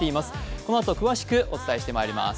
このあと詳しくお伝えしてまいります。